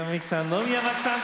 野宮真貴さん